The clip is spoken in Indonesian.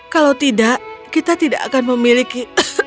kalau tidak kita tidak akan memiliki